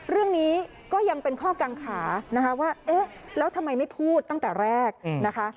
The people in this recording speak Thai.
เรื่องนี้ก็ยังเป็นข้อกังขานะคะว่าเอ๊ะแล้วทำไมไม่พูดตั้งแต่แรกนะคะ